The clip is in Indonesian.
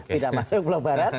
tidak masuk blok barat